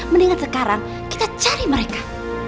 mendingan sekarang kita cari mereka